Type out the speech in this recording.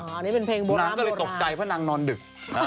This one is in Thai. เพื่อก็ไม่มีแหมว่านางที่เป็นเพลงโบรามนางก็เลยตกใจเพราะนางนอนดึก